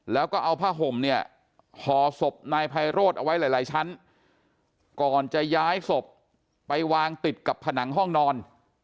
แล้วก็เอาผ้าห่มเนี่ยห่อศพนายไพโรธเอาไว้หลายชั้นก่อนจะย้ายศพไปวางติดกับผนังห้องนอน